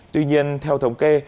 tuy nhiên theo thống kê